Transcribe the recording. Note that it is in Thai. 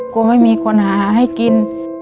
กลัวไม่มีคนหาให้กิน